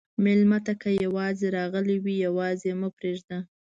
مېلمه ته که یواځې راغلی وي، یواځې مه پرېږده.